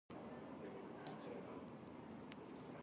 やりたいようにやる